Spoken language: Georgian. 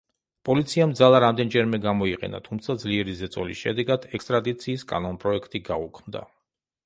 პოლიციამ ძალა რამდენჯერმე გამოიყენა, თუმცა ძლიერი ზეწოლის შედეგად, ექსტრადიციის კანონპროექტი გაუქმდა.